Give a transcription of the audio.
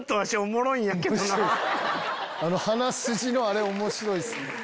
鼻筋のあれ面白いっすね。